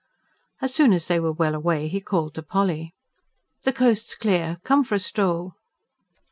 As soon as they were well away he called to Polly. "The coast's clear. Come for a stroll."